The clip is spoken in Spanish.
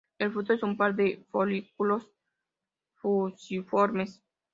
El fruto es un par de folículos fusiformes.